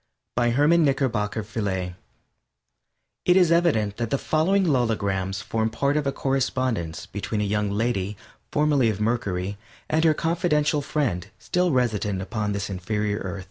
_ BY HERMAN KNICKERBOCKER VIELÉ It is evident that the following logograms form part of a correspondence between a young lady, formerly of Mercury, and her confidential friend still resident upon the inferior planet.